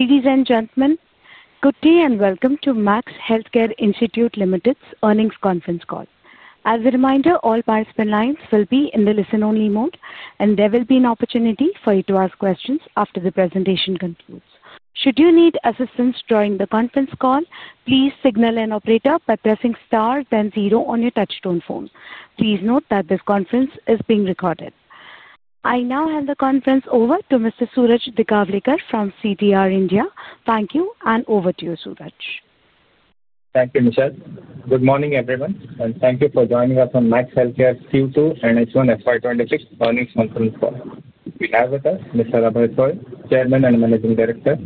Ladies and gentlemen, good day and welcome to Max Healthcare Institute Limited's earnings conference call. As a reminder, all participant lines will be in the listen-only mode, and there will be an opportunity for you to ask questions after the presentation concludes. Should you need assistance during the conference call, please signal an operator by pressing star, then zero on your touchstone phone. Please note that this conference is being recorded. I now hand the conference over to Mr. Suraj Dikawlekar from CTR India. Thank you, and over to you, Suraj. Thank you, Nishad. Good morning, everyone, and thank you for joining us on Max Healthcare's Q2 and H1 FY 2026 earnings conference call. We have with us Mr. Abhay Soi, Chairman and Managing Director,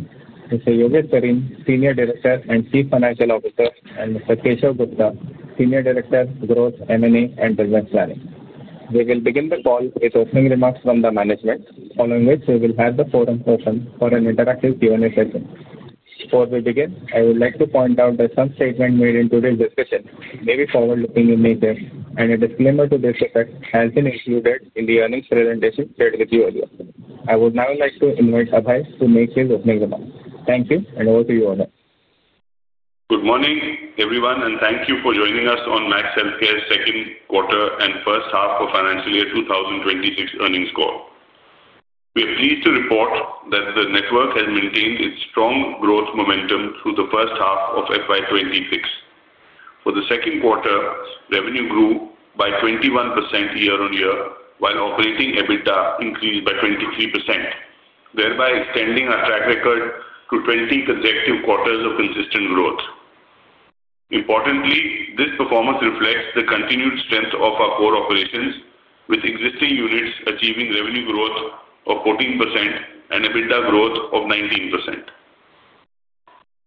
Mr. Yogesh Sareen, Senior Director and Chief Financial Officer, and Mr. Keshav Gupta, Senior Director, Growth, M&A, and Business Planning. We will begin the call with opening remarks from the management, following which we will have the forum open for an interactive Q&A session. Before we begin, I would like to point out that some statements made in today's discussion may be forward-looking in nature, and a disclaimer to this effect has been included in the earnings presentation shared with you earlier. I would now like to invite Abhay to make his opening remarks. Thank you, and over to you, Abhay. Good morning, everyone, and thank you for joining us on Max Healthcare's second quarter and first half of financial year 2026 earnings call. We are pleased to report that the network has maintained its strong growth momentum through the first half of FY 2026. For the second quarter, revenue grew by 21% year-on-year, while operating EBITDA increased by 23%, thereby extending our track record to 20 consecutive quarters of consistent growth. Importantly, this performance reflects the continued strength of our core operations, with existing units achieving revenue growth of 14% and EBITDA growth of 19%.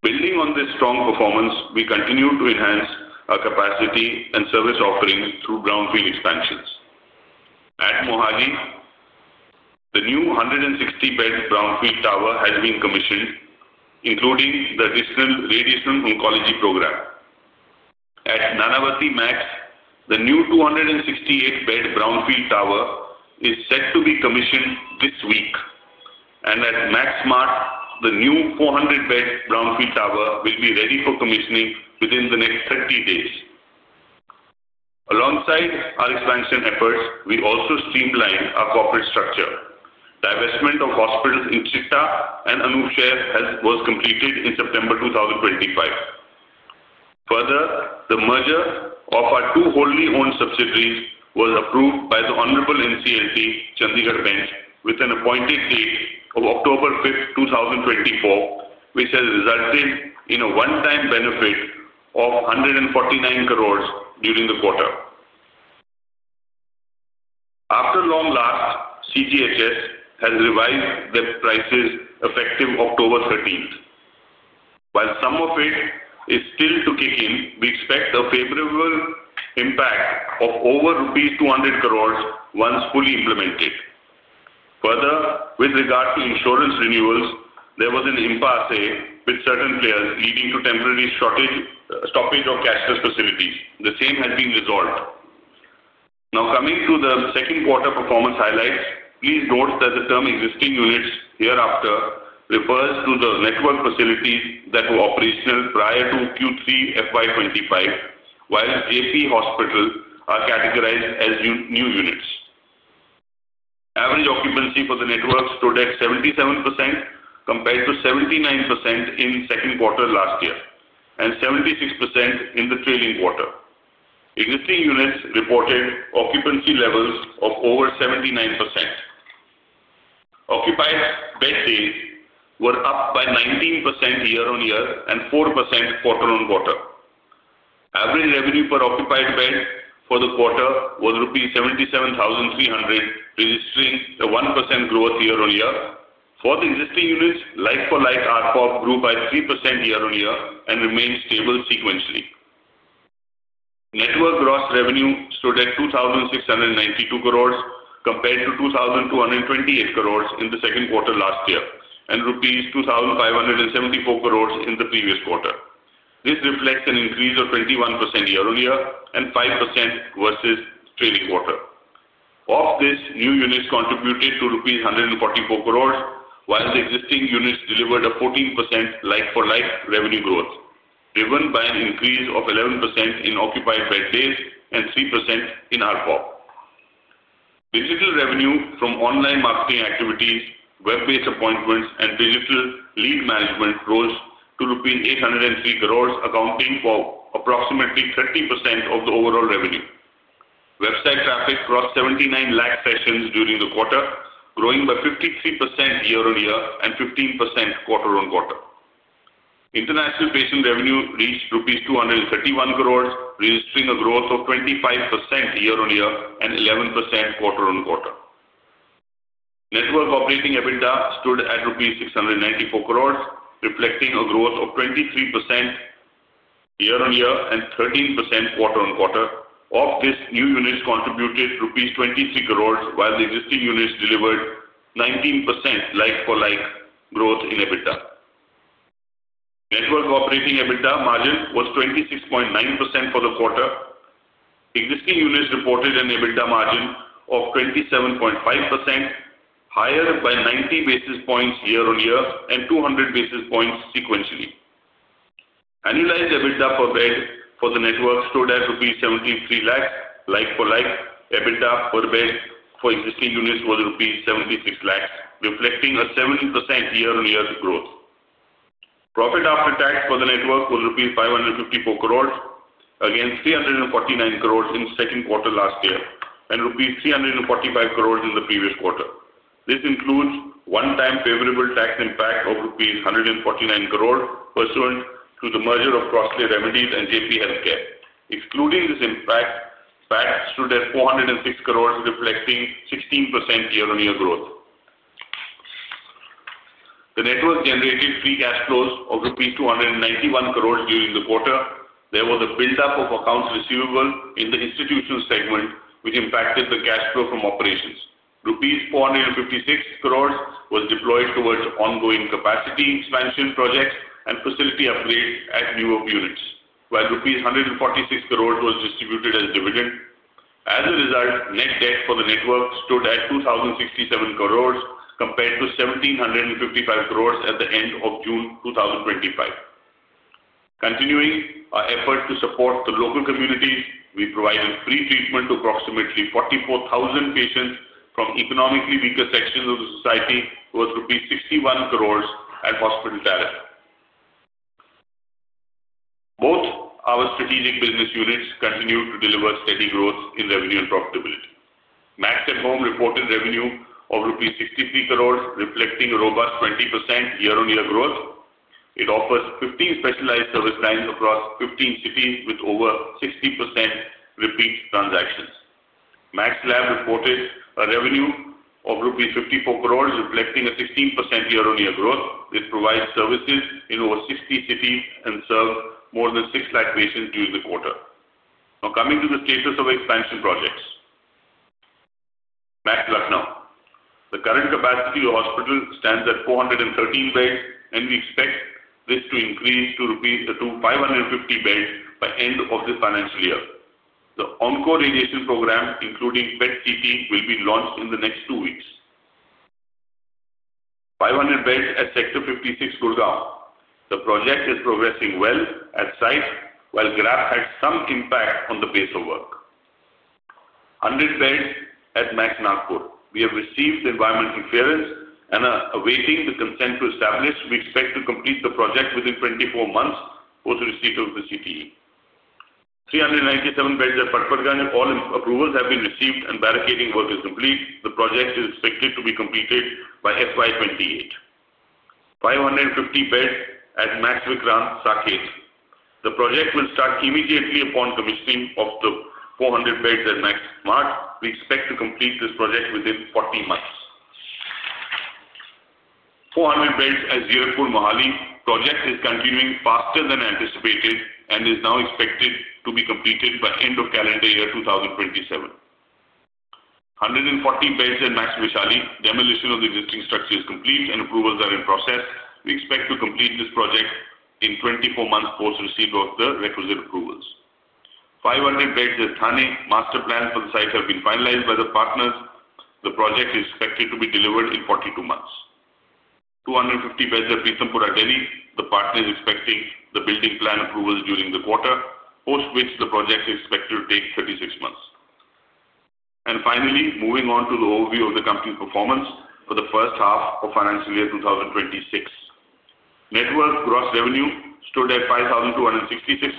Building on this strong performance, we continue to enhance our capacity and service offerings through brownfield expansions. At Mohali, the new 160-bed brownfield tower has been commissioned, including the additional radiation oncology program. At Nanavati Max, the new 268-bed brownfield tower is set to be commissioned this week, and at Max Mart, the new 400-bed brownfield tower will be ready for commissioning within the next 30 days. Alongside our expansion efforts, we also streamlined our corporate structure. Divestment of hospitals in Chitra and Anupshahr was completed in September 2025. Further, the merger of our two wholly-owned subsidiaries was approved by the Honorable NCLT, Chandigarh Bench, with an appointed date of October 5, 2024, which has resulted in a one-time benefit of 149 crore during the quarter. After long last, CGHS has revised the prices effective October 13. While some of it is still to kick in, we expect a favorable impact of over rupees 200 crore once fully implemented. Further, with regard to insurance renewals, there was an impasse with certain players leading to temporary stoppage of cashless facilities. The same has been resolved. Now, coming to the second quarter performance highlights, please note that the term "existing units" hereafter refers to the network facilities that were operational prior to Q3 FY 2025, while JP Hospital are categorized as new units. Average occupancy for the network stood at 77% compared to 79% in the second quarter last year and 76% in the trailing quarter. Existing units reported occupancy levels of over 79%. Occupied bed days were up by 19% year-on-year and 4% quarter-on-quarter. Average revenue per occupied bed for the quarter was rupees 77,300, registering a 1% growth year-on-year. For the existing units, like-for-like ARPOB grew by 3% year-on-year and remained stable sequentially. Network gross revenue stood at INR 2,692 crore compared to INR 2,228 crore in the second quarter last year and INR 2,574 crore in the previous quarter. This reflects an increase of 21% year-on-year and 5% versus the trailing quarter. Of this, new units contributed to INR 144 crore, while existing units delivered a 14% like-for-like revenue growth, driven by an increase of 11% in occupied bed days and 3% in ARPOB. Digital revenue from online marketing activities, web-based appointments, and digital lead management rose to rupees 803 crore, accounting for approximately 30% of the overall revenue. Website traffic crossed 79 lakh sessions during the quarter, growing by 53% year-on-year and 15% quarter-on-quarter. International patient revenue reached INR 231 crore, registering a growth of 25% year-on-year and 11% quarter-on-quarter. Network operating EBITDA stood at 694 crore rupees, reflecting a growth of 23% year-on-year and 13% quarter-on-quarter. Of this, new units contributed rupees 23 crore, while existing units delivered 19% like-for-like growth in EBITDA. Network operating EBITDA margin was 26.9% for the quarter. Existing units reported an EBITDA margin of 27.5%, higher by 90 basis points year-on-year and 200 basis points sequentially. Annualized EBITDA per bed for the network stood at rupees 73 lakh like-for-like. EBITDA per bed for existing units was rupees 76 lakh, reflecting a 7% year-on-year growth. Profit after tax for the network was INR 554 crore, again 349 crore in the second quarter last year and INR 345 crore in the previous quarter. This includes one-time favorable tax impact of INR 149 crores pursuant to the merger of Crosslay Remedies and JP Healthcare. Excluding this impact, PAT stood at 406 crores, reflecting 16% year-on-year growth. The network generated free cash flows of INR 291 crore during the quarter. There was a build-up of accounts receivable in the institutional segment, which impacted the cash flow from operations. Rupees 456 crore was deployed towards ongoing capacity expansion projects and facility upgrades at new units, while INR 146 crores was distributed as dividend. As a result, net debt for the network stood at 2,067 crore compared to 1,755 crore at the end of June 2025. Continuing our effort to support the local communities, we provided free treatment to approximately 44,000 patients from economically weaker sections of the society, worth rupees 61 crores at hospital tariff. Both our strategic business units continue to deliver steady growth in revenue and profitability. Max at Home reported revenue of 63 crores rupees, reflecting a robust 20% year-on-year growth. It offers 15 specialized service lines across 15 cities with over 60% repeat transactions. Max Lab reported a revenue of rupees 54 crores, reflecting a 16% year-on-year growth. It provides services in over 60 cities and serves more than 600,000 patients during the quarter. Now, coming to the status of expansion projects. Max Lucknow. The current capacity of the hospital stands at 413 beds, and we expect this to increase to 550 beds by the end of this financial year. The on-call radiation program, including PET-CT, will be launched in the next two weeks. 500 beds at Sector 56, Gurgaon. The project is progressing well at site, while graft had some impact on the pace of work. 100 beds at Max Nagpur. We have received the environmental clearance and are awaiting the consent to establish. We expect to complete the project within 24 months post-receipt of the CTE. 397 beds at Patparganj. All approvals have been received, and barricading work is complete. The project is expected to be completed by FY 2028. 550 beds at Max Vikrant Saket. The project will start immediately upon commissioning of the 400 beds at Max Mart. We expect to complete this project within 40 months. 400 beds at Zirakpur, Mohali. Project is continuing faster than anticipated and is now expected to be completed by the end of calendar year 2027. 140 beds at Max Vaishali. Demolition of the existing structure is complete, and approvals are in process. We expect to complete this project in 24 months post-receipt of the requisite approvals. 500 beds at Thane. Master plans for the site have been finalized by the partners. The project is expected to be delivered in 42 months. 250 beds at Pitampura, Delhi. The partner is expecting the building plan approvals during the quarter, post which the project is expected to take 36 months. Finally, moving on to the overview of the company's performance for the first half of financial year 2026. Network gross revenue stood at 5,266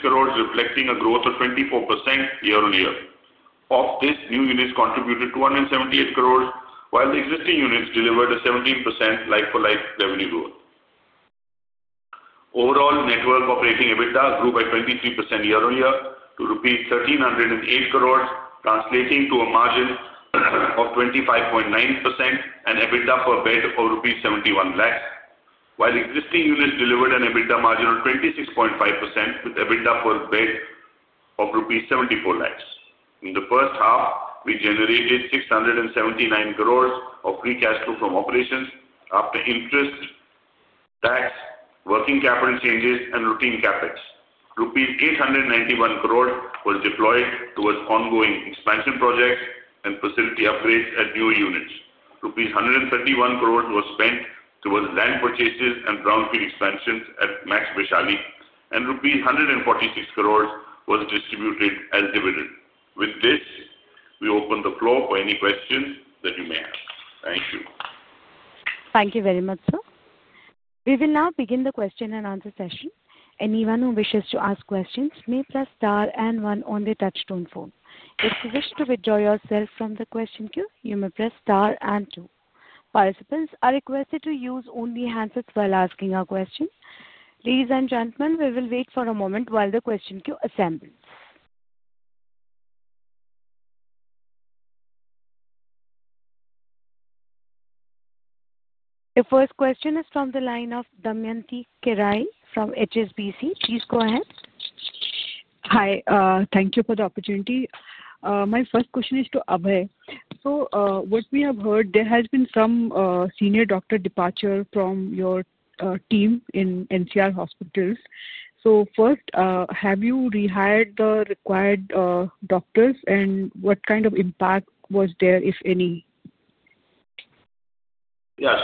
crore, reflecting a growth of 24% year-on-year. Of this, new units contributed 278 crore, while the existing units delivered a 17% like-for-like revenue growth. Overall, network operating EBITDA grew by 23% year-on-year to rupees 1,308 crore, translating to a margin of 25.9% and EBITDA per bed of rupees 71 lakh, while existing units delivered an EBITDA margin of 26.5% with EBITDA per bed of rupees 74 lakhs. In the first half, we generated 679 crore of free cash flow from operations after interest, tax, working capital changes, and routine capex. Rupees 891 crore was deployed towards ongoing expansion projects and facility upgrades at new units. Rupees 131 crore was spent towards land purchases and brownfield expansions at Max Vaishali, and rupees 146 crore was distributed as dividend. With this, we open the floor for any questions that you may have. Thank you. Thank you very much, sir. We will now begin the question and answer session. Anyone who wishes to ask questions may press star and one on the touchstone phone. If you wish to withdraw yourself from the question queue, you may press star and two. Participants are requested to use only handsets while asking a question. Ladies and gentlemen, we will wait for a moment while the question queue assembles. The first question is from the line of Damayanti Kerai from HSBC. Please go ahead. Hi. Thank you for the opportunity. My first question is to Abhay. What we have heard, there has been some senior doctor departure from your team in NCR hospitals. First, have you rehired the required doctors, and what kind of impact was there, if any? Yeah.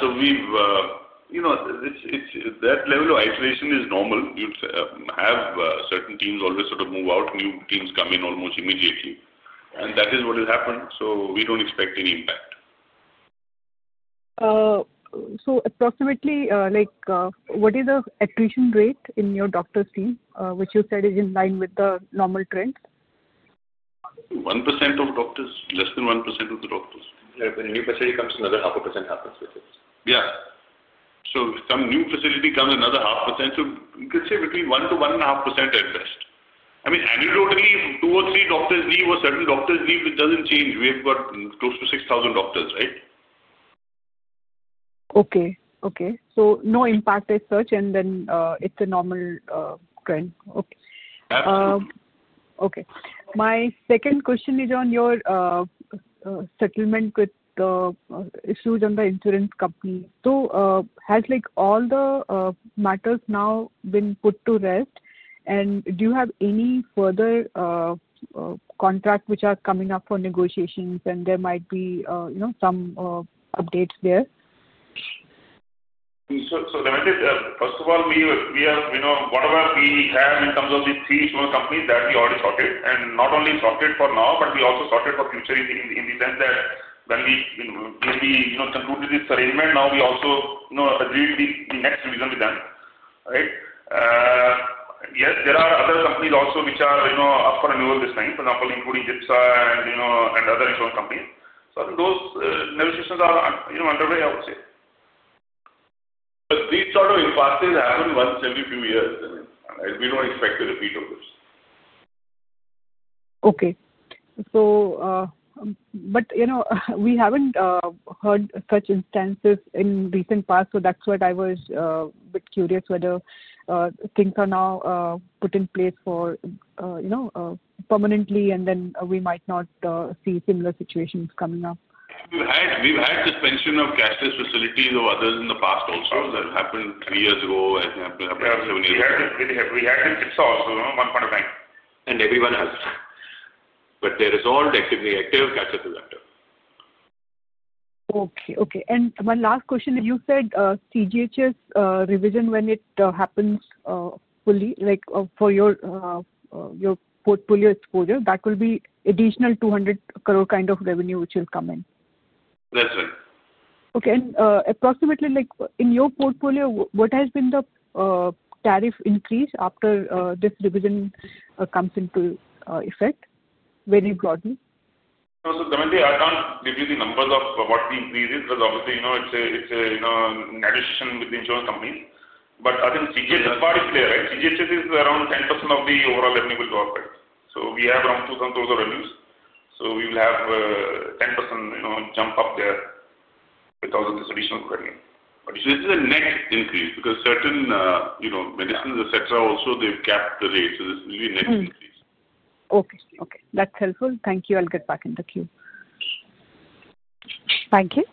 That level of isolation is normal. You'd have certain teams always sort of move out, new teams come in almost immediately. That is what has happened. We don't expect any impact. Approximately, what is the attrition rate in your doctors' team, which you said is in line with the normal trends? 1% of doctors, less than 1% of the doctors. Yeah. When a new facility comes, another half a percent happens with it. Yeah. Some new facility comes, another half percent. You could say between 1%-1.5% at best. I mean, anecdotally, two or three doctors leave, or certain doctors leave, it doesn't change. We have got close to 6,000 doctors, right? Okay. Okay. So no impact as such, and then it's a normal trend. Okay. Absolutely. Okay. My second question is on your settlement with the issues on the insurance company. Has all the matters now been put to rest, and do you have any further contracts which are coming up for negotiations, and there might be some updates there? Damayanti, first of all, whatever we have in terms of these three small companies, that we already sorted. Not only sorted for now, but we also sorted for future in the sense that when we maybe concluded this arrangement, now we also agreed the next reason with them, right? Yes, there are other companies also which are up for renewal this time, for example, including JIPSA and other insurance companies. Those negotiations are underway, I would say. These sort of impasses happen once every few years. We do not expect a repeat of this. Okay. We have not heard such instances in recent past, so that is what I was a bit curious about, whether things are now put in place permanently, and then we might not see similar situations coming up. We've had suspension of cashless facilities of others in the past also. That happened three years ago, and it happened seven years ago. We had JIPSA 1.9. Everyone has. They resolved actively active cashless disaster. Okay. Okay. My last question is, you said CGHS revision when it happens fully for your portfolio exposure, that will be additional 200 crore kind of revenue which will come in. That's right. Okay. Approximately in your portfolio, what has been the tariff increase after this revision comes into effect? Very broadly. Damayanti, I can't give you the numbers of what the increase is because obviously it's a negotiation with the insurance companies. I think CGHS part is there, right? CGHS is around 10% of the overall revenue which we operate. We have around 2,000 crore of revenues. We will have a 10% jump up there because of this additional revenue. This is a net increase because certain medicines, etc., also they've capped the rate. This will be a net increase. Okay. Okay. That's helpful. Thank you. I'll get back in the queue. Thank you.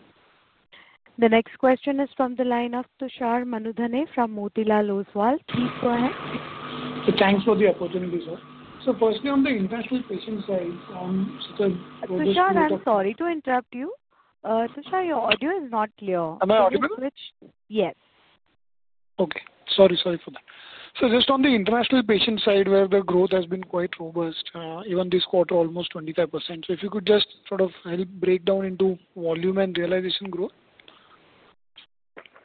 The next question is from the line of Tushar Manudhane from Motilal Oswal. Please go ahead. Thanks for the opportunity, sir. Firstly, on the international patient side— Tushar, I'm sorry to interrupt you. Tushar, your audio is not clear. Am I audible? Yes. Okay. Sorry, sorry for that. Just on the international patient side, where the growth has been quite robust, even this quarter, almost 25%. If you could just sort of help break down into volume and realization growth.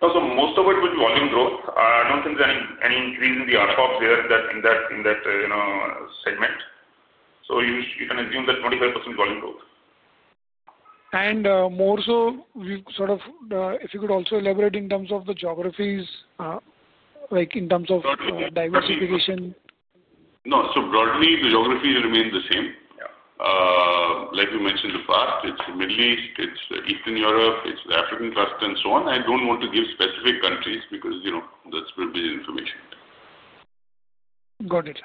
Most of it was volume growth. I don't think there's any increase in the ARPOBs there in that segment. You can assume that 25% volume growth. If you could also elaborate in terms of the geographies, in terms of diversification. No. So broadly, the geographies remain the same. Like we mentioned in the past, it's the Middle East, it's Eastern Europe, it's the African cluster, and so on. I don't want to give specific countries because that's privileged information. Got it.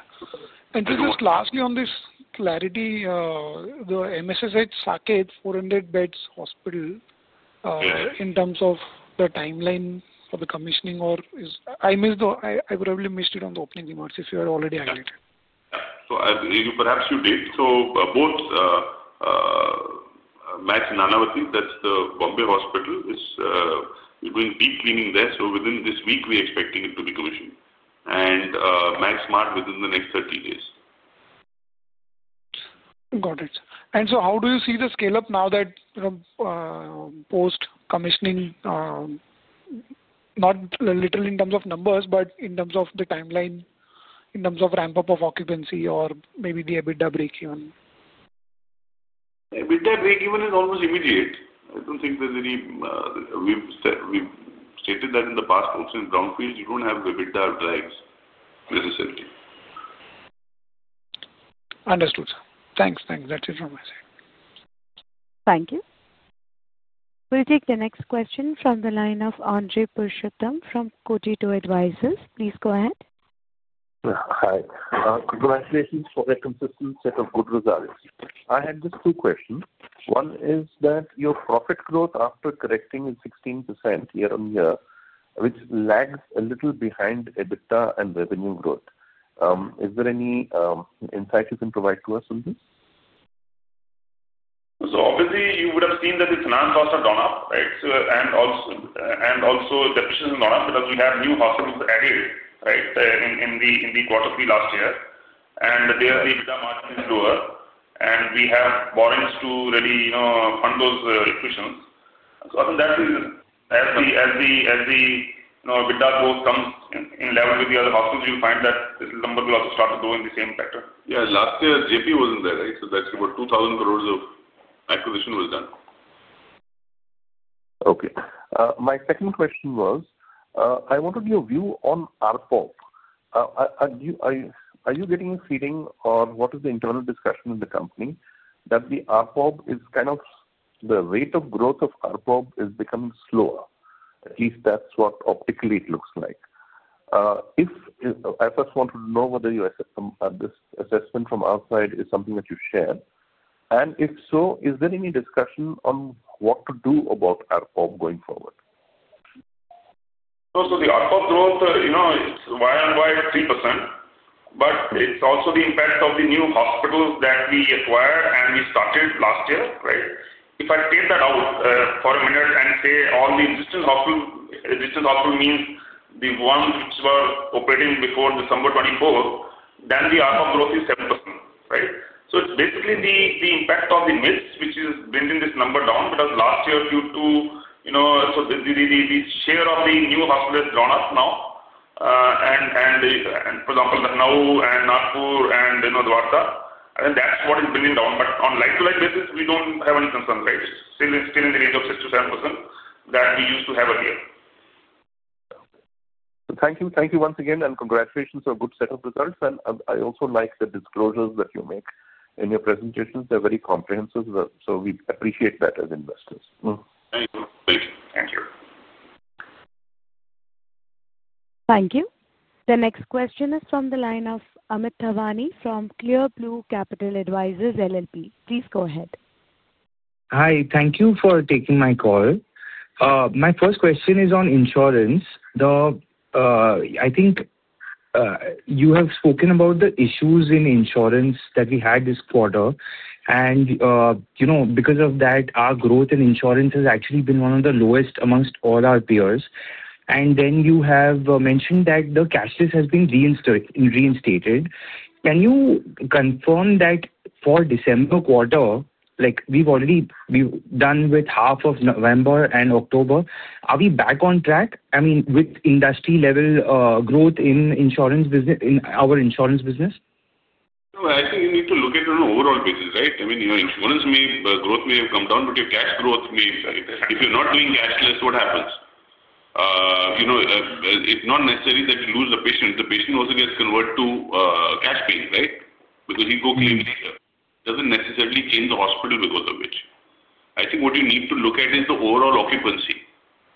And just lastly on this clarity, the MSSH Saket 400 beds hospital, in terms of the timeline for the commissioning, or I probably missed it on the opening remarks if you had already highlighted. Yeah. So perhaps you did. So both Nanavati Max, that's the Bombay hospital, is doing deep cleaning there. So within this week, we're expecting it to be commissioned. And Max Mart within the next 30 days. Got it. How do you see the scale-up now that post-commissioning, not little in terms of numbers, but in terms of the timeline, in terms of ramp-up of occupancy or maybe the EBITDA break-even? EBITDA break-even is almost immediate. I don't think there's any, we've stated that in the past also, in brownfields, you don't have EBITDA drags necessarily. Understood, sir. Thanks. That's it from my side. Thank you. We'll take the next question from the line of Andrey Purushottam from Cogito Advisors. Please go ahead. Hi. Congratulations for a consistent set of good results. I had just two questions. One is that your profit growth after correcting is 16% year-on-year, which lags a little behind EBITDA and revenue growth. Is there any insight you can provide to us on this? Obviously, you would have seen that the finance costs have gone up, right? Also, depreciation has gone up because we have new hospitals added, right, in the quarter three last year. The EBITDA margin is lower, and we have borrowings to really fund those acquisitions. I think that is, as the EBITDA growth comes in level with the other hospitals, you find that this number will also start to grow in the same factor. Yeah. Last year, JP wasn't there, right? So that's about 2,000 crore of acquisition was done. Okay. My second question was, I wanted your view on ARPOB. Are you getting a feeling on what is the internal discussion in the company that the ARPOB is kind of the rate of growth of ARPOB is becoming slower? At least that's what optically it looks like. I just wanted to know whether this assessment from our side is something that you share. If so, is there any discussion on what to do about ARPOB going forward? The ARPOB growth, it's year-on-year 3%, but it's also the impact of the new hospitals that we acquired and we started last year, right? If I take that out for a minute and say all the existing hospitals, existing hospitals means the ones which were operating before December 2024, then the ARPOB growth is 7%, right? It's basically the impact of the mix which is bringing this number down because last year, due to, so the share of the new hospital has grown up now. For example, Nanavati Max, and Nagpur, and Dwarka, and that's what is bringing down. On like-to-like basis, we don't have any concerns, right? It's still in the range of 6%-7% that we used to have earlier. Thank you. Thank you once again, and congratulations on a good set of results. I also like the disclosures that you make in your presentations. They are very comprehensive, so we appreciate that as investors. Thank you. Thank you. The next question is from the line of Amit Thawani from Clear Blue Capital Advisors LLP. Please go ahead. Hi. Thank you for taking my call. My first question is on insurance. I think you have spoken about the issues in insurance that we had this quarter. Because of that, our growth in insurance has actually been one of the lowest amongst all our peers. You have mentioned that the cashless has been reinstated. Can you confirm that for December quarter, we've already done with half of November and October, are we back on track? I mean, with industry-level growth in our insurance business? I think you need to look at it on an overall basis, right? I mean, your insurance growth may have come down, but your cash growth may have decreased. If you're not doing cashless, what happens? It's not necessary that you lose the patient. The patient also gets converted to cash paying, right? Because he'll go claim later. It doesn't necessarily change the hospital because of it. I think what you need to look at is the overall occupancy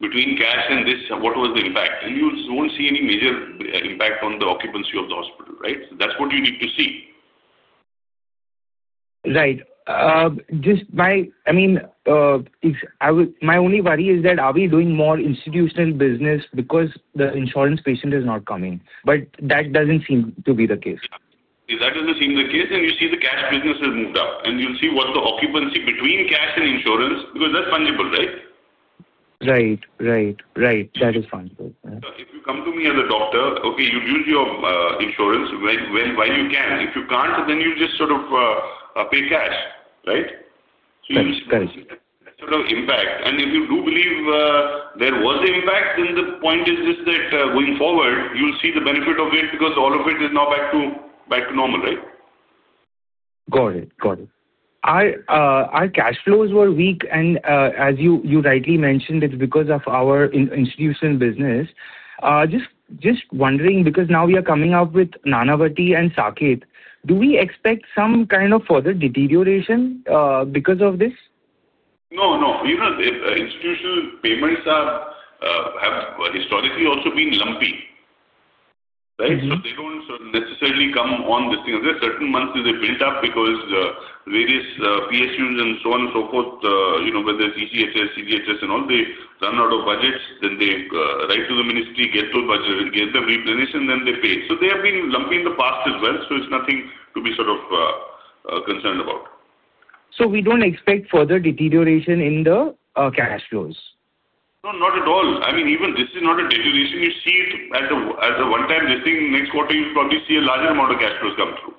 between cash and this, what was the impact? You won't see any major impact on the occupancy of the hospital, right? That's what you need to see. Right. Just by, I mean, my only worry is that are we doing more institutional business because the insurance patient is not coming? That does not seem to be the case. That does not seem the case. You see the cash business has moved up. You will see what the occupancy between cash and insurance, because that is fungible, right? Right. That is fungible. If you come to me as a doctor, okay, you'll use your insurance when you can. If you can't, then you just sort of pay cash, right? You see that sort of impact. If you do believe there was impact, the point is this that going forward, you'll see the benefit of it because all of it is now back to normal, right? Got it. Got it. Our cash flows were weak, and as you rightly mentioned, it's because of our institutional business. Just wondering, because now we are coming up with Nanavati and Saket, do we expect some kind of further deterioration because of this? No, no. Institutional payments have historically also been lumpy, right? They do not necessarily come on this thing. There are certain months where they build up because various PSUs and so on and so forth, whether it is ECHS, CGHS, and all, they run out of budgets, then they write to the ministry, get the budget, get the replenish, and then they pay. They have been lumpy in the past as well, so it is nothing to be sort of concerned about. We don't expect further deterioration in the cash flows? No, not at all. I mean, even this is not a deterioration. You see it at the one-time listing, next quarter, you'll probably see a larger amount of cash flows come through.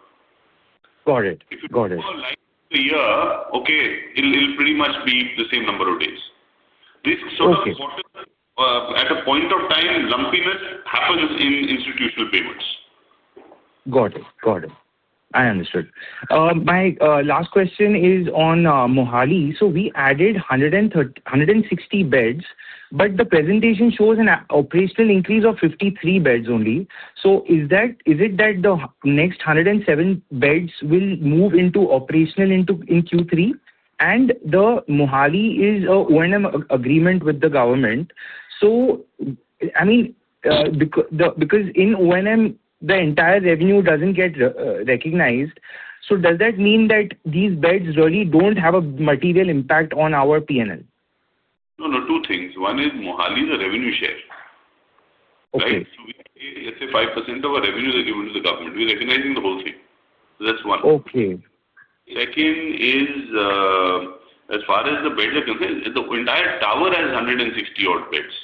Got it. Got it. If you look at a year, okay, it'll pretty much be the same number of days. This sort of quarter, at a point of time, lumpiness happens in institutional payments. Got it. Got it. I understood. My last question is on Mohali. We added 160 beds, but the presentation shows an operational increase of 53 beds only. Is it that the next 107 beds will move into operational in Q3? Mohali is an O&M agreement with the government. I mean, because in O&M, the entire revenue does not get recognized, does that mean that these beds really do not have a material impact on our P&L? No, no. Two things. One is Mohali is a revenue share, right? We say 5% of our revenue is given to the government. We're recognizing the whole thing. That's one. Okay. Second is, as far as the beds are concerned, the entire tower has 160 odd beds.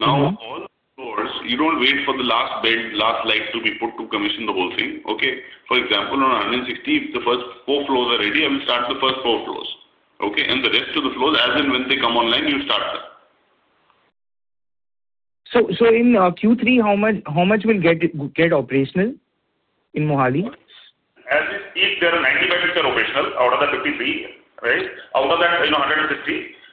Now, all of those, you do not wait for the last bed, last light to be put to commission the whole thing, okay? For example, on 160, if the first four floors are ready, I will start the first four floors, okay? And the rest of the floors, as and when they come online, you start them. In Q3, how much will get operational in Mohali? If there are 90 beds which are operational out of that 53, right? Out of that 160,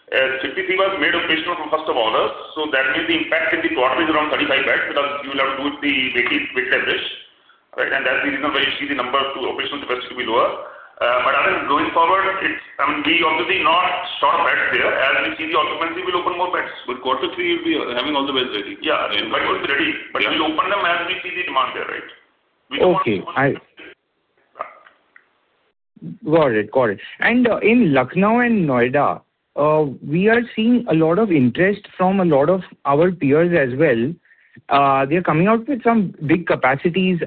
53 were made operational for the first of all of us. That means the impact in the quarter is around 35 beds because you will have to do it with weight leverage, right? That is the reason why you see the number to operational capacity to be lower. I think going forward, it's, I mean, we obviously not short of beds there. As we see the occupancy, we'll open more beds. With quarter three, you'll be having all the beds ready. Yeah. We'll be ready. We'll open them as we see the demand there, right? Okay. Got it. Got it. In Lucknow and Noida, we are seeing a lot of interest from a lot of our peers as well. They're coming out with some big capacities.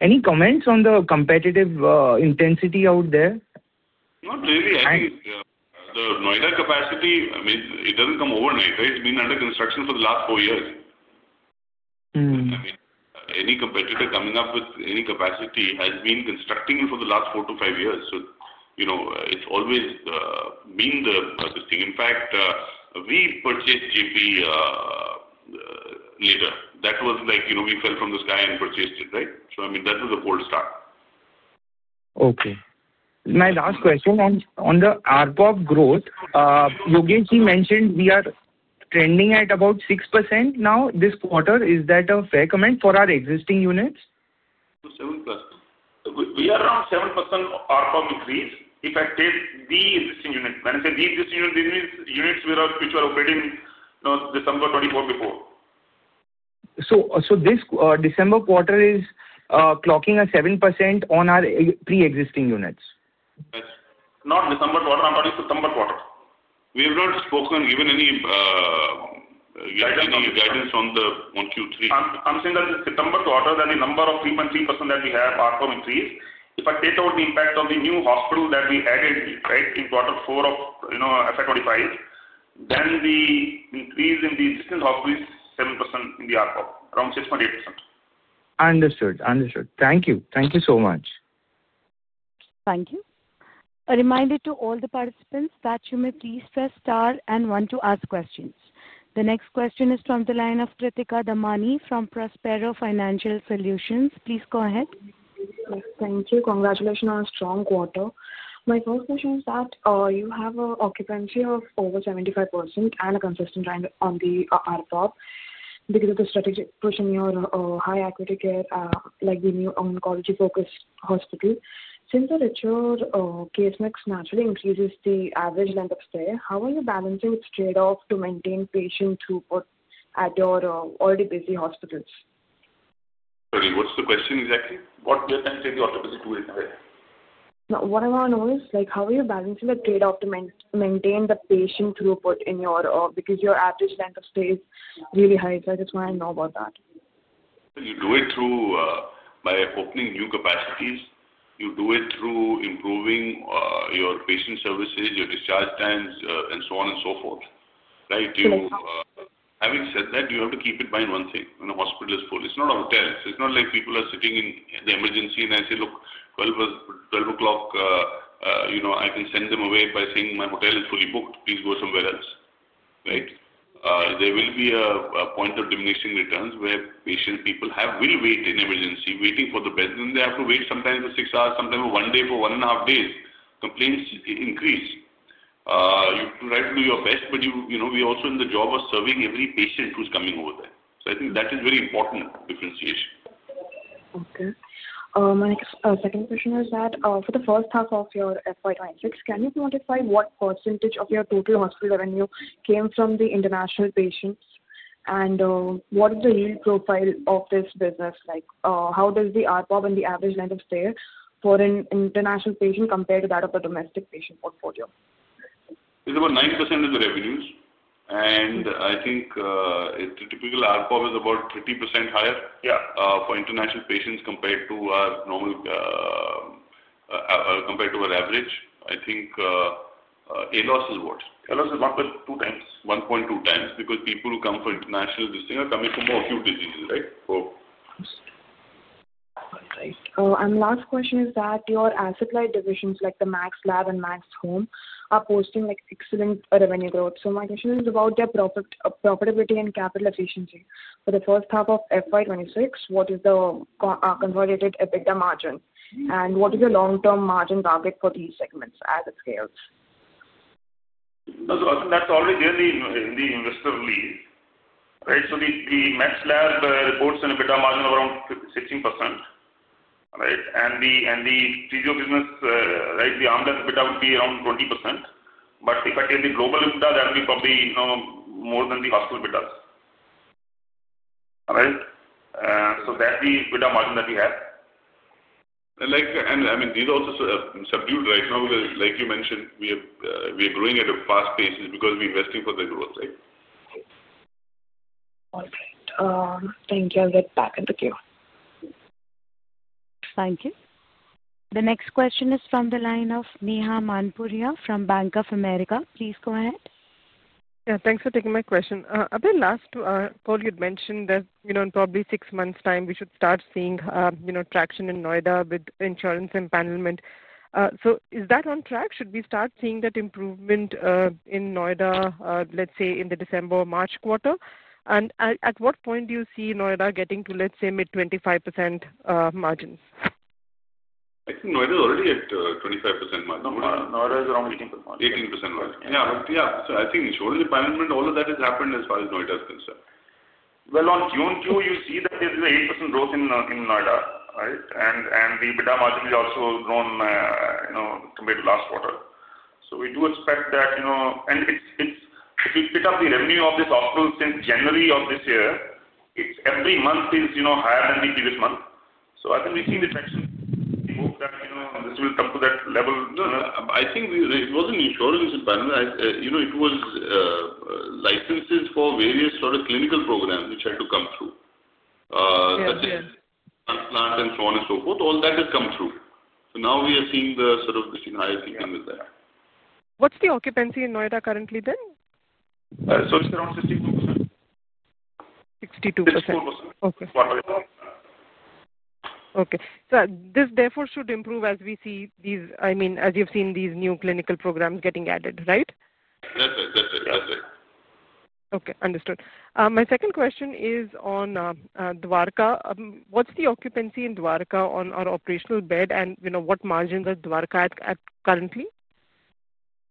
Any comments on the competitive intensity out there? Not really. I think the Noida capacity, I mean, it does not come overnight, right? It has been under construction for the last four years. I mean, any competitor coming up with any capacity has been constructing for the last four to five years. It has always been the thing. In fact, we purchased JP later. That was like we fell from the sky and purchased it, right? I mean, that was a cold start. Okay. My last question on the ARPOB growth. Yogesh, you mentioned we are trending at about 6% now this quarter. Is that a fair comment for our existing units? We are around 7% ARPOB increase if I take the existing units. When I say the existing units, these means units which were operating December 2024 before. This December quarter is clocking at 7% on our pre-existing units. Not December quarter. I'm talking September quarter. We have not spoken or given any guidance on Q3. I'm saying that in September quarter, that the number of 3.3% that we have ARPOB increase, if I take out the impact of the new hospital that we added, right, in quarter four of FY 2025, then the increase in the existing hospital is 7% in the ARPOB, around 6.8%. Understood. Thank you. Thank you so much. Thank you. A reminder to all the participants that you may please press star and one to ask questions. The next question is from the line of Kritika Damani from Prospero Financial Solutions. Please go ahead. Thank you. Congratulations on a strong quarter. My first question is that you have an occupancy of over 75% and a consistent trend on the ARPOB because of the strategic push in your high acuity care like the new oncology-focused hospital. Since the richer case mix naturally increases the average length of stay, how are you balancing its trade-off to maintain patient throughput at your already busy hospitals? Sorry, what's the question exactly? What do you intend to say the occupancy to is there? What I want to know is how are you balancing the trade-off to maintain the patient throughput in your because your average length of stay is really high, so I just want to know about that. You do it by opening new capacities. You do it through improving your patient services, your discharge times, and so on and so forth, right? Having said that, you have to keep in mind one thing. When a hospital is full, it's not a hotel. It's not like people are sitting in the emergency and I say, "Look, 12 o'clock, I can send them away by saying my hotel is fully booked. Please go somewhere else," right? There will be a point of diminishing returns where patient people will wait in emergency, waiting for the beds. Then they have to wait sometimes for six hours, sometimes for one day, for one and a half days. Complaints increase. You try to do your best, but we are also in the job of serving every patient who's coming over there. I think that is very important differentiation. Okay. My second question is that for the first half of your FY 2026, can you quantify what percentage of your total hospital revenue came from the international patients? And what is the yield profile of this business? How does the ARPOB and the average length of stay for an international patient compare to that of a domestic patient portfolio? It's about 9% of the revenues. I think the typical ARPOB is about 30% higher for international patients compared to our normal, compared to our average. I think ALOS is what? ALOS is 1.2x because people who come for international visiting are coming from more acute diseases, right? Right. Last question is that your asset-light divisions like the Max Lab and Max Home are posting excellent revenue growth. My question is about their profitability and capital efficiency. For the first half of FY 2026, what is the converted EBITDA margin? What is your long-term margin target for these segments as it scales? I think that's already there in the investor lead, right? The Max Lab reports an EBITDA margin of around 16%, right? The TGO business, the AMLA EBITDA would be around 20%. If I take the global EBITDA, that would be probably more than the hospital EBITDAs, right? That's the EBITDA margin that we have. I mean, these are also subdued right now because, like you mentioned, we are growing at a fast pace because we're investing for the growth, right? All right. Thank you. I'll get back in the queue. Thank you. The next question is from the line of Neha Manpuria from Bank of America. Please go ahead. Yeah. Thanks for taking my question. At the last call, you'd mentioned that in probably six months' time, we should start seeing traction in Noida with insurance impanelment. Is that on track? Should we start seeing that improvement in Noida, let's say, in the December-March quarter? At what point do you see Noida getting to, let's say, mid-25% margins? I think Noida is already at 25% margin. Noida is around 18% margin. 18% margin. Yeah. I think insurance empanelment, all of that has happened as far as Noida is concerned. On Q1, you see that there is an 8% growth in Noida, right? The EBITDA margin has also grown compared to last quarter. We do expect that, and if you split up the revenue of this hospital since January of this year, every month is higher than the previous month. I think we've seen the traction. We hope that this will come to that level. I think it was not insurance empanelment. It was licenses for various sort of clinical programs which had to come through, such as transplant and so on and so forth. All that has come through. Now we are seeing the sort of, seen higher seeking with that. What's the occupancy in Noida currently then? It's around 62%. 62%. 64%. Okay. Okay. This therefore should improve as we see these, I mean, as you've seen these new clinical programs getting added, right? That's right. Okay. Understood. My second question is on Dwarka. What's the occupancy in Dwarka on our operational bed? And what margins are Dwarka at currently?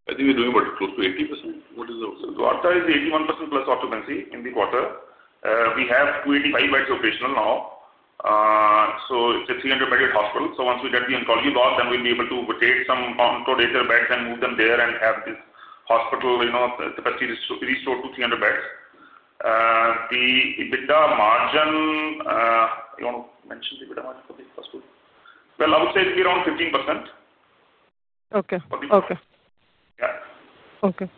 I think we're doing about close to 80%. What is the occupancy? Dwarka is 81% plus occupancy in the quarter. We have 285 beds operational now. It is a 300-bed hospital. Once we get the oncology log, then we'll be able to rotate some oncology beds and move them there and have this hospital capacity restored to 300 beds. The EBITDA margin, you want to mention the EBITDA margin for this hospital? I would say it'll be around 15%. Okay. Okay. Yeah. Okay.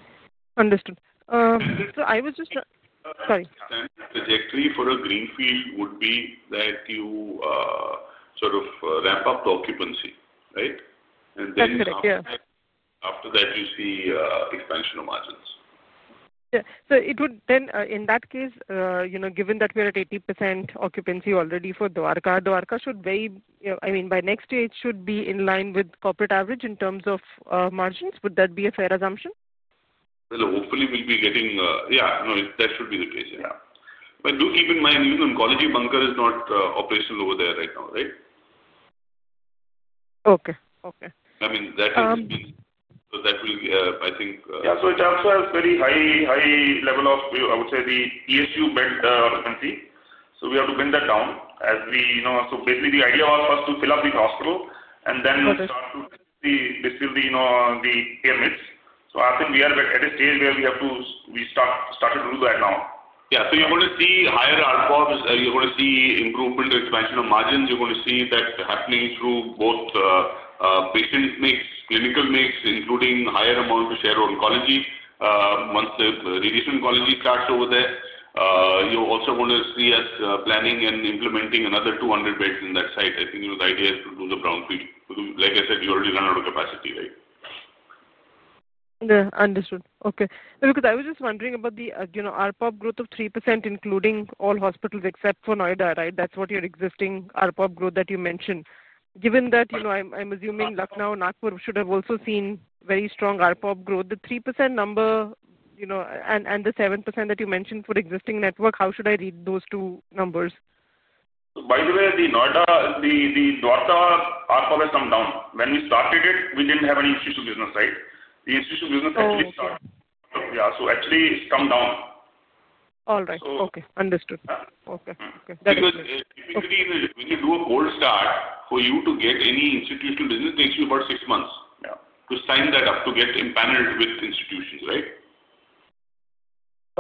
Understood. I was just sorry. The trajectory for a greenfield would be that you sort of ramp up the occupancy, right? And then. That's correct. Yeah. After that, you see expansion of margins. Yeah. So it would then, in that case, given that we are at 80% occupancy already for Dwarka, Dwarka should weigh, I mean, by next year, it should be in line with corporate average in terms of margins. Would that be a fair assumption? Hopefully, we'll be getting, yeah. No, that should be the case. Yeah. Do keep in mind, even Oncology Bunker is not operational over there right now, right? Okay. Okay. I mean, that has been so that will be, I think. Yeah. It also has very high level of, I would say, the ESU bed occupancy. We have to bring that down as we, so basically, the idea was for us to fill up this hospital and then start to distill the payments. I think we are at a stage where we have to, we started to do that now. Yeah. You are going to see higher ARPOBs. You are going to see improvement or expansion of margins. You are going to see that happening through both patient mix and clinical mix, including higher amount of share of oncology once the radiation oncology starts over there. You also want to see us planning and implementing another 200 beds in that site. I think the idea is to do the brownfield. Like I said, we already run out of capacity, right? Understood. Okay. Because I was just wondering about the ARPOB growth of 3%, including all hospitals except for Noida, right? That's what your existing ARPOB growth that you mentioned. Given that I'm assuming Lucknow and Nagpur should have also seen very strong ARPOB growth, the 3% number and the 7% that you mentioned for existing network, how should I read those two numbers? By the way, the Dwarka ARPOB has come down. When we started it, we did not have any institutional business, right? The institutional business actually started. Yeah. So actually, it has come down. All right. Okay. Understood. Okay. Because typically, when you do a cold start, for you to get any institutional business, it takes you about six months to sign that up, to get empaneled with institutions, right?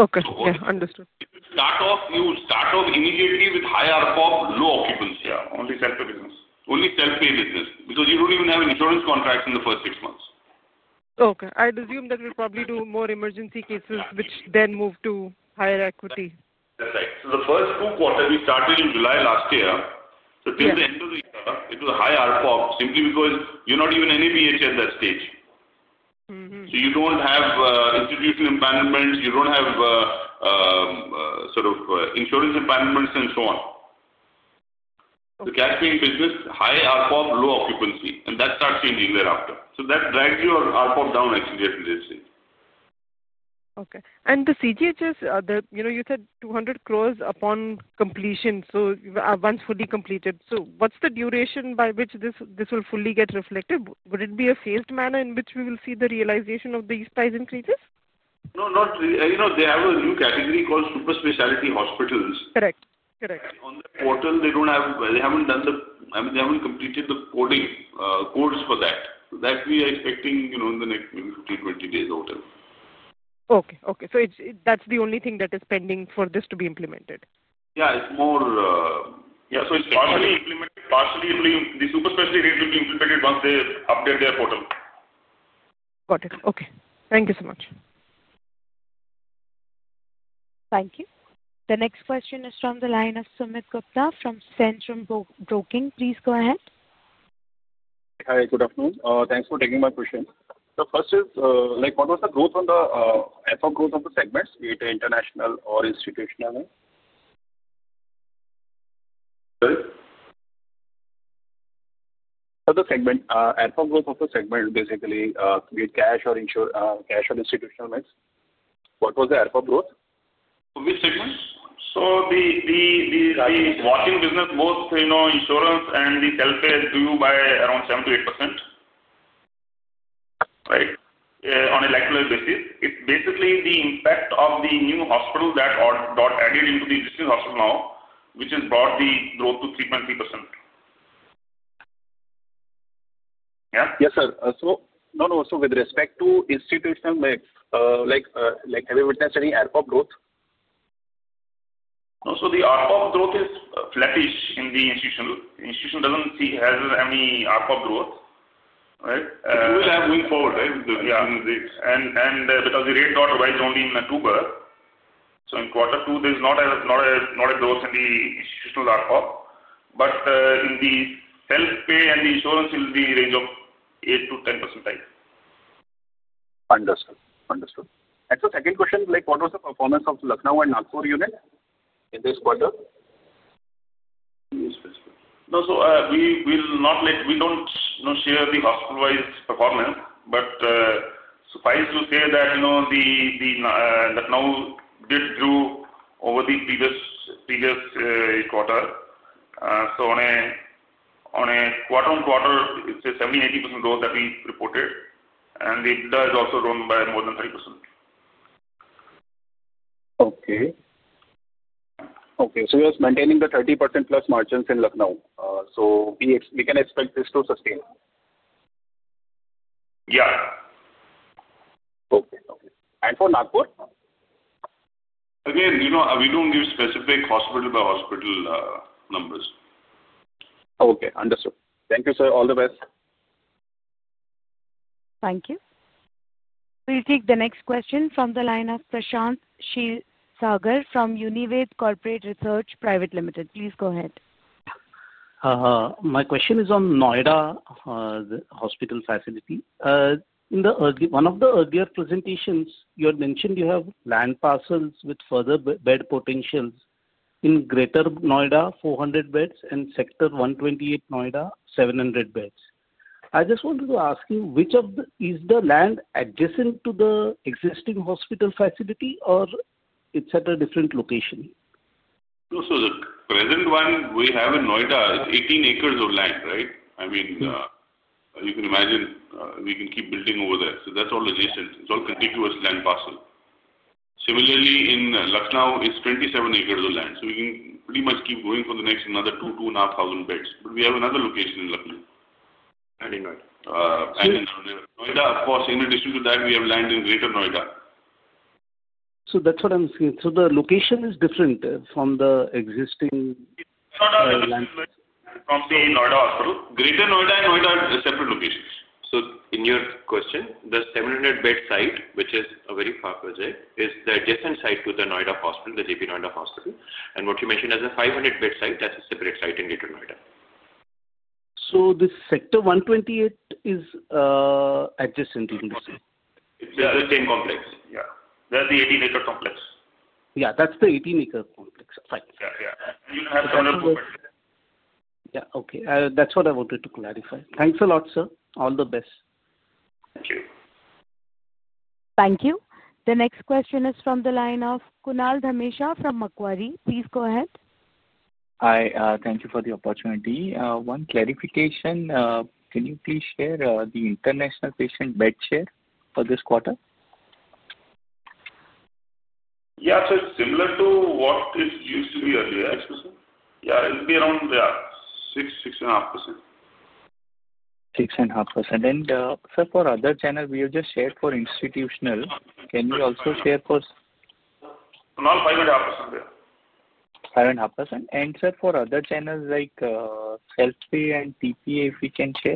Okay. Yeah. Understood. You start off immediately with high ARPOB, low occupancy. Yeah. Only self-pay business. Only self-pay business. Because you do not even have insurance contracts in the first six months. Okay. I'd assume that we'll probably do more emergency cases, which then move to higher acuity. That's right. The first two quarters, we started in July last year. Till the end of the year, it was high ARPOB simply because you were not even any BHA at that stage. You do not have institutional impanelments. You do not have sort of insurance impanelments and so on. The cash-paying business, high ARPOB, low occupancy. That starts changing thereafter. That drags your ARPOB down, actually, at the latest. Okay. The CGHS, you said 200 crore upon completion, so once fully completed. What's the duration by which this will fully get reflected? Would it be a phased manner in which we will see the realization of these price increases? No, not really. They have a new category called super specialty hospitals. Correct. Correct. On that quarter, they don't have, they haven't done the, I mean, they haven't completed the codes for that. We are expecting that in the next maybe 15-20 days or whatever. Okay. Okay. That's the only thing that is pending for this to be implemented? Yeah. It's more, yeah. It's partially implemented. Partially, the super specialty rate will be implemented once they update their portal. Got it. Okay. Thank you so much. Thank you. The next question is from the line of Sumit Gupta from Centrum Broking. Please go ahead. Hi. Good afternoon. Thanks for taking my question. The first is, what was the growth on the ARPOB growth of the segments? Be it international or institutional? Sorry? For the segment, ARPOB growth of the segment basically with cash or institutional mix. What was the ARPOB growth? Which segment? The working business, both insurance and the self-pay, is grown by around 7%-8%, right, on a regular basis. It is basically the impact of the new hospital that got added into the existing hospital now, which has brought the growth to 3.3%. Yeah? Yes, sir. No, no. With respect to institutional mix, have you witnessed any ARPOB growth? No. The ARPOB growth is flattish in the institutional. The institutional does not see any ARPOB growth, right? It will have going forward, right? Because the rate got raised only in October, in quarter two, there is not a growth in the institutional ARPOB. In the self-pay and the insurance, it will be a range of 8-10%. Understood. Understood. The second question, what was the performance of the Lucknow and Nagpur unit in this quarter? No. We do not share the hospital-wide performance. Suffice to say that Lucknow did grow over the previous quarter. On a quarter-on-quarter basis, it is a 70%-80% growth that we reported. The EBITDA has also grown by more than 30%. Okay. Okay. You're maintaining the 30%+ margins in Lucknow. We can expect this to sustain? Yeah. Okay. Okay. And for Nagpur? Again, we don't give specific hospital-by-hospital numbers. Okay. Understood. Thank you, sir. All the best. Thank you. We'll take the next question from the line of Prashanth Kshirsagar from UNIWAY Corporate Research Private Limited. Please go ahead. My question is on Noida hospital facility. In one of the earlier presentations, you had mentioned you have land parcels with further bed potentials in Greater Noida, 400 beds, and Sector 128, Noida, 700 beds. I just wanted to ask you, is the land adjacent to the existing hospital facility, or it's at a different location? No. The present one we have in Noida is 18 acres of land, right? I mean, you can imagine we can keep building over there. That is all adjacent. It is all contiguous land parcel. Similarly, in Lucknow, it is 27 acres of land. We can pretty much keep going for the next another 2,000-2,500 beds. We have another location in Lucknow. In Noida? In Noida. Of course, in addition to that, we have land in Greater Noida. That's what I'm seeing. The location is different from the existing land? From the Noida hospital. Greater Noida and Noida are separate locations. In your question, the 700-bed site, which is a very far project, is the adjacent site to the Noida hospital, the JP Noida Hospital. What you mentioned as a 500-bed site, that's a separate site in Greater Noida. Is the Sector 128 adjacent to the hospital? It's the same complex. Yeah. That's the 18-acre complex. Yeah. That's the 18-acre complex. Fine. Yeah. Yeah. You don't have to worry about it. Yeah. Okay. That's what I wanted to clarify. Thanks a lot, sir. All the best. Thank you. Thank you. The next question is from the line of Kunal Dhamesha from Macquarie. Please go ahead. Hi. Thank you for the opportunity. One clarification. Can you please share the international patient bed share for this quarter? Yeah. So it's similar to what it used to be earlier, I suppose. Yeah. It'll be around, yeah, 6%-6.5%. 6.5%. Sir, for other channel, we have just shared for institutional. Can you also share for? Kunal, 5.5% there. 5.5%. Sir, for other channels, like self-pay and TPA, if we can share?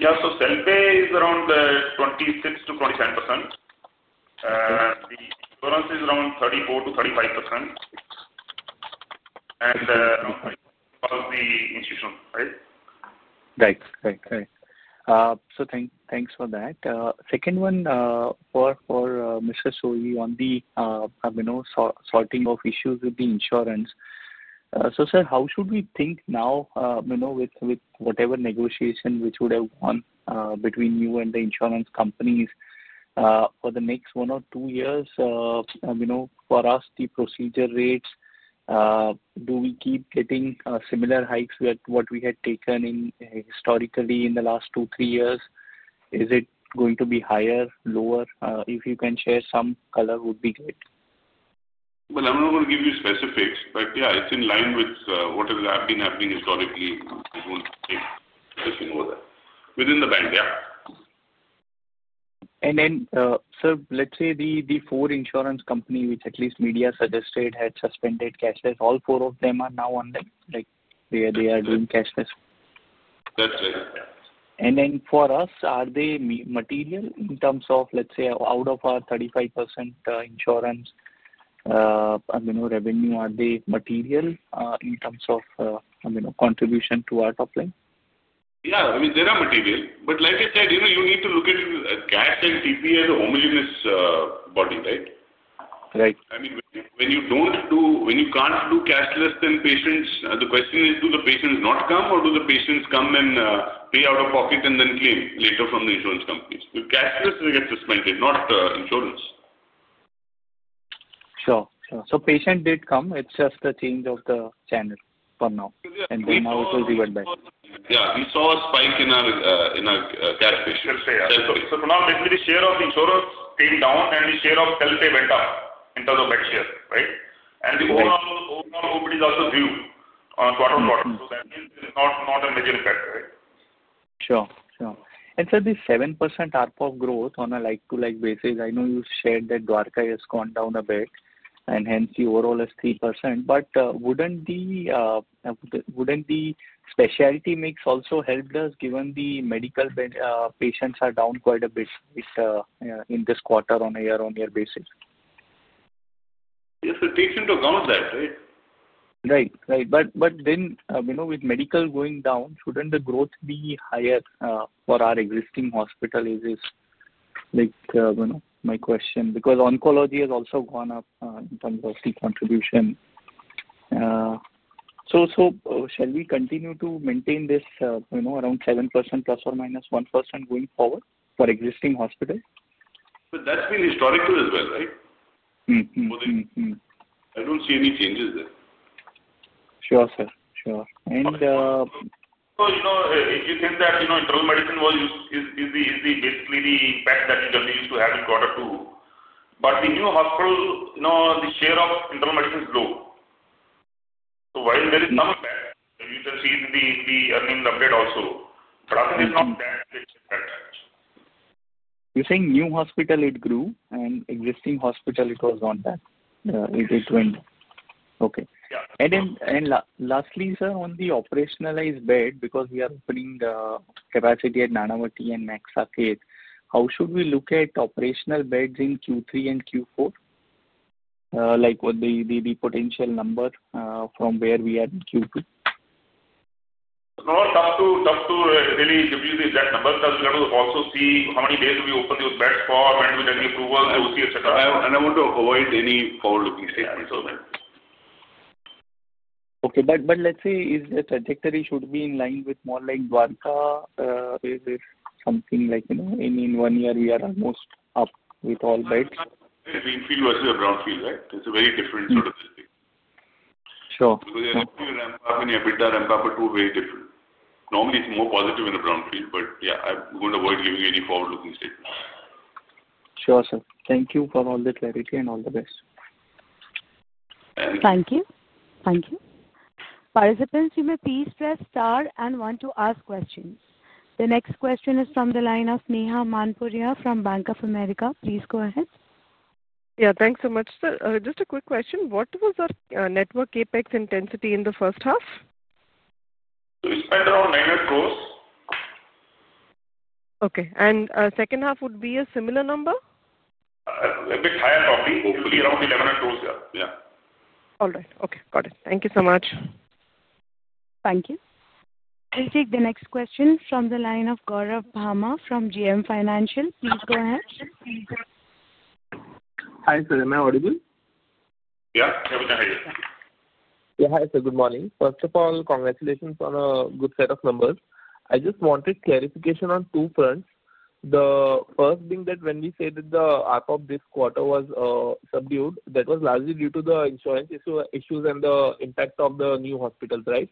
Yeah. Self-pay is around 26%-27%. The insurance is around 34%-35%. And the institutional side. Right. Right. Right. Thanks for that. Second one for Mr. Soi on the sorting of issues with the insurance. Sir, how should we think now with whatever negotiation which would have gone between you and the insurance companies for the next one or two years? For us, the procedure rates, do we keep getting similar hikes to what we had taken historically in the last two, three years? Is it going to be higher, lower? If you can share some color, it would be great. I'm not going to give you specifics. Yeah, it's in line with what has been happening historically. We won't take anything over there. Within the band, yeah. Sir, let's say the four insurance companies which at least media suggested had suspended cashless, all four of them are now on them? They are doing cashless? That's right. Yeah. Are they material in terms of, let's say, out of our 35% insurance revenue, are they material in terms of contribution to our top line? Yeah. I mean, they are material. But like I said, you need to look at cash and TPA as a homogeneous body, right? Right. I mean, when you don't do, when you can't do cashless, then patients, the question is, do the patients not come, or do the patients come and pay out of pocket and then claim later from the insurance companies? With cashless, they get suspended, not insurance. Sure. Sure. So patient did come. It's just the change of the channel for now. Now it will be went back. Yeah. We saw a spike in our cash ratio. For now, basically, the share of the insurance came down, and the share of self-pay went up in terms of bed share, right? The overall nobody's also due on quarter-on-quarter. That means it's not a major impact, right? Sure. Sure. And sir, the 7% ARPOB growth on a like-to-like basis, I know you shared that Dwarka has gone down a bit, and hence the overall is 3%. Wouldn't the specialty mix also help us given the medical patients are down quite a bit in this quarter on a year-on-year basis? Yes. The patient will count that, right? Right. Right. But then with medical going down, shouldn't the growth be higher for our existing hospital? Is this my question? Because oncology has also gone up in terms of the contribution. Shall we continue to maintain this around 7% plus or minus 1% going forward for existing hospitals? That has been historical as well, right? Mm-hmm. I don't see any changes there. Sure, sir. Sure. If you think that internal medicine was basically the impact that you just used to have in quarter two. The new hospital, the share of internal medicine is low. While there is some impact, you can see the earnings update also. Otherwise, it is not that much. You're saying new hospital, it grew, and existing hospital, it was not that? It went? Yeah. Okay. And lastly, sir, on the operationalized bed, because we are opening the capacity at Nanavati and Maxarcase, how should we look at operational beds in Q3 and Q4? The potential number from where we are in Q2? No, tough to really give you the exact number because we've got to also see how many days do we open those beds for, when do we get the approvals, the OC, etc. I want to avoid any forward looking statements. Okay. Is the trajectory, should it be in line with more like Dwarka? Is it something like in one year, we are almost up with all beds? The infield versus the ground field, right? It's a very different sort of thing. Sure. Because your Rampap and your Bidda Rampap are two very different. Normally, it's more positive in the ground field. Yeah, I'm going to avoid giving you any forward-looking statements. Sure, sir. Thank you for all the clarity and all the best. Thank you. Thank you. Participants, you may please press star and one to ask questions. The next question is from the line of Neha Manpuria from Bank of America. Please go ahead. Yeah. Thanks so much, sir. Just a quick question. What was our network CapEx intensity in the first half? We spent around INR 900 crore. Okay. Second half would be a similar number? A bit higher probably. Hopefully, around 1,100 crore. Yeah. Yeah. All right. Okay. Got it. Thank you so much. Thank you. We'll take the next question from the line of Gourav Bhama from JM Financial. Please go ahead. Hi, sir. Am I audible? Yeah. Yeah. We can hear you. Yeah. Hi, sir. Good morning. First of all, congratulations on a good set of numbers. I just wanted clarification on two fronts. The first being that when we said that the ARPOB this quarter was subdued, that was largely due to the insurance issues and the impact of the new hospitals, right?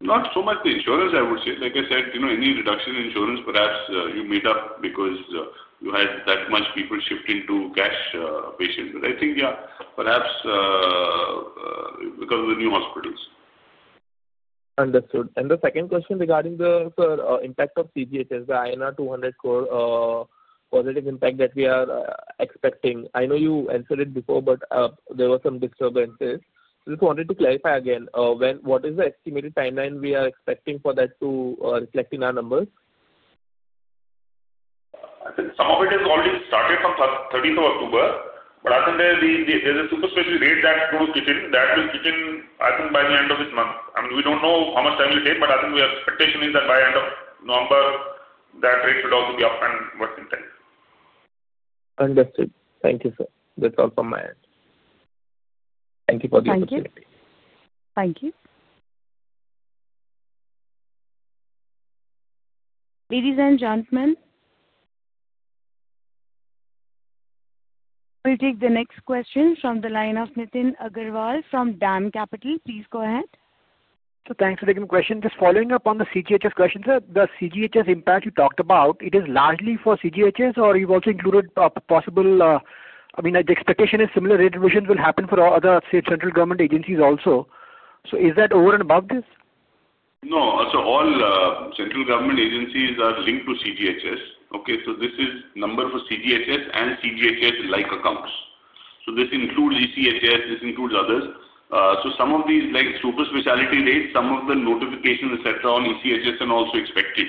Not so much the insurance, I would say. Like I said, any reduction in insurance, perhaps you made up because you had that much people shifting to cash patients. I think, yeah, perhaps because of the new hospitals. Understood. The second question regarding the impact of CGHS, the INR 200 crore positive impact that we are expecting. I know you answered it before, but there were some disturbances. Just wanted to clarify again, what is the estimated timeline we are expecting for that to reflect in our numbers? I think some of it has already started from 30th of October. I think there's a super special rate that goes to Kitchen. That will Kitchen, I think, by the end of this month. I mean, we don't know how much time will take, but I think the expectation is that by the end of November, that rate should also be up and working time. Understood. Thank you, sir. That's all from my end. Thank you for the opportunity. Thank you. Thank you. Ladies and gentlemen, we'll take the next question from the line of Nitin Agarwal from DAM Capital. Please go ahead. Thanks for taking the question. Just following up on the CGHS question, sir, the CGHS impact you talked about, it is largely for CGHS, or you've also included possible, I mean, the expectation is similar rate revisions will happen for other central government agencies also. Is that over and above this? No. All central government agencies are linked to CGHS. Okay? This is number for CGHS and CGHS-like accounts. This includes ECHS. This includes others. Some of these super specialty rates, some of the notifications, etc., on ECHS are also expected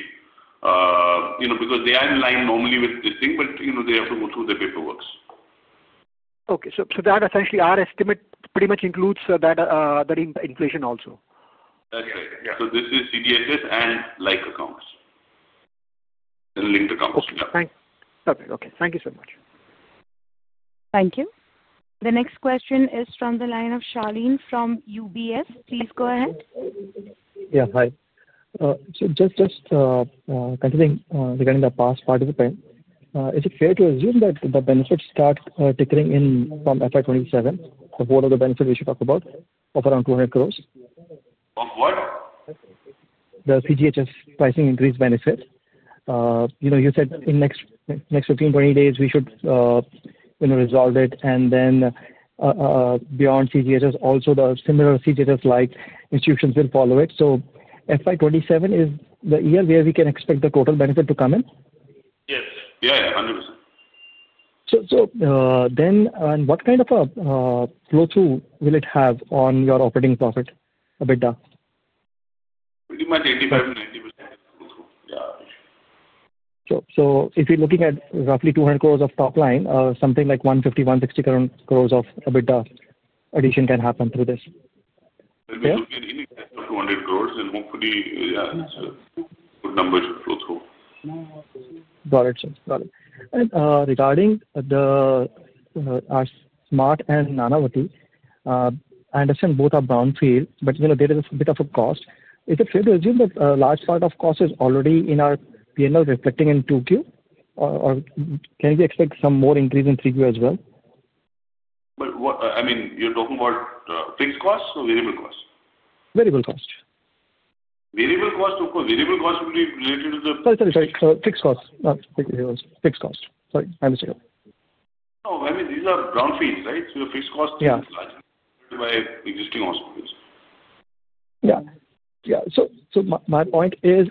because they are in line normally with this thing, but they have to go through the paperwork. Okay. So that essentially our estimate pretty much includes that inflation also. That's right. This is CGHS and like accounts and linked accounts. Okay. Thanks. Perfect. Okay. Thank you so much. Thank you. The next question is from the line of Shaleen from UBS. Please go ahead. Yeah. Hi. Just continuing regarding the past participant, is it fair to assume that the benefits start tickering in from FY 2027, the whole of the benefit we should talk about, of around 200 crores? Of what? The CGHS pricing increase benefit. You said in the next 15-20 days, we should resolve it. Then beyond CGHS, also the similar CGHS-like institutions will follow it. FY 2027 is the year where we can expect the total benefit to come in? Yes. Yeah. 100%. What kind of a flow-through will it have on your operating profit, Abhay? Pretty much 85-90% flow-through. Yeah. If you're looking at roughly 200 crore of top line, something like 150-160 crore of EBITDA addition can happen through this. Yeah. 200 crore. And hopefully, yeah, good numbers will flow through. Got it, sir. Got it. Regarding our Smart and Nanavati, I understand both are brownfield, but there is a bit of a cost. Is it fair to assume that a large part of cost is already in our P&L reflecting in 2Q? Or can we expect some more increase in 3Q as well? I mean, you're talking about fixed costs or variable costs? Variable costs. Variable costs, of course. Variable costs will be related to the. Sorry. Fixed costs. Sorry. I misheard. No. I mean, these are ground fees, right? So your fixed costs are larger by existing hospitals. Yeah. Yeah. So my point is,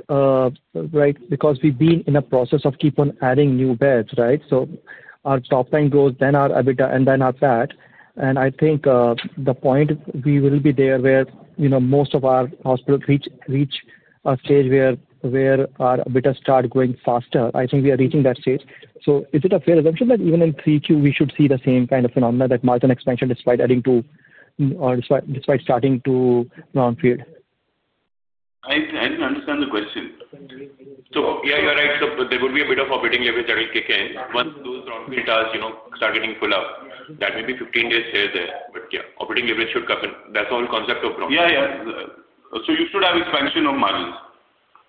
right, because we've been in a process of keep on adding new beds, right? So our top line grows, then our EBITDA, and then our PAT. I think the point we will be there where most of our hospitals reach a stage where our EBITDA start going faster. I think we are reaching that stage. Is it a fair assumption that even in 3Q, we should see the same kind of phenomena, that margin expansion despite adding to or despite starting to greenfield? I didn't understand the question. Yeah, you're right. There will be a bit of operating leverage that will kick in once those brownfield tasks start getting full up. That will be 15 days here and there. Yeah, operating leverage should come in. That's the whole concept of brownfield. Yeah. Yeah. You should have expansion of margins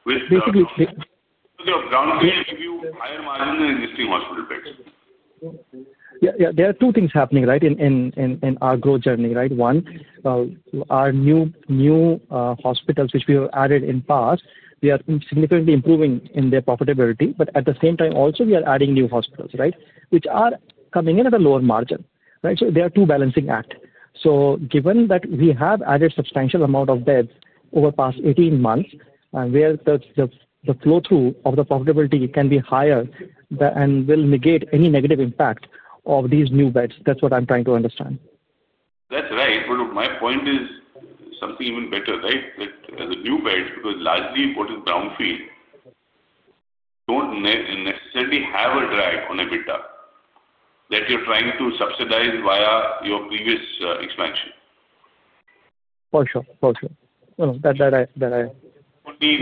with. Basically. Greenfield will give you higher margins than existing hospital beds. Yeah. Yeah. There are two things happening, right, in our growth journey, right? One, our new hospitals, which we have added in the past, we are significantly improving in their profitability. At the same time, also, we are adding new hospitals, right, which are coming in at a lower margin, right? They are two balancing acts. Given that we have added a substantial amount of beds over the past 18 months, where the flow-through of the profitability can be higher and will negate any negative impact of these new beds, that's what I'm trying to understand. That's right. My point is something even better, right? That the new beds, because largely what is brownfield, do not necessarily have a drag on EBITDA that you're trying to subsidize via your previous expansion. For sure. For sure. No, that I understand.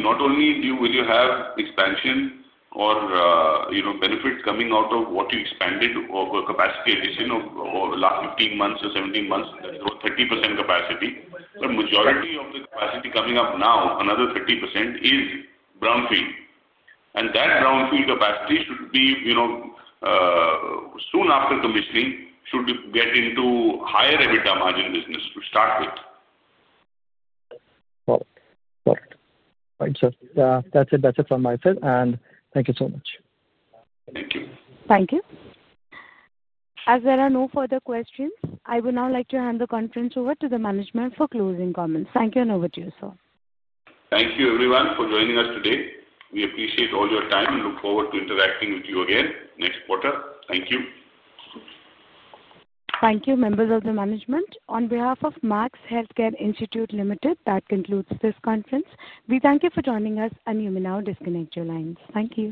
Not only will you have expansion or benefits coming out of what you expanded or capacity addition over the last 15 months or 17 months, that is over 30% capacity. The majority of the capacity coming up now, another 30%, is brownfield. That brownfield capacity should be, soon after commissioning, should get into higher EBITDA margin business to start with. Got it. Got it. All right, sir. That's it. That's it from my side. Thank you so much. Thank you. Thank you. As there are no further questions, I would now like to hand the conference over to the management for closing comments. Thank you and over to you, sir. Thank you, everyone, for joining us today. We appreciate all your time and look forward to interacting with you again next quarter. Thank you. Thank you, members of the management. On behalf of Max Healthcare Institute Limited, that concludes this conference. We thank you for joining us, and you may now disconnect your lines. Thank you.